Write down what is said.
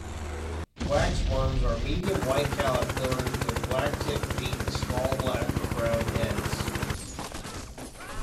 Waxworms are medium-white caterpillars with black-tipped feet and small, black or brown heads.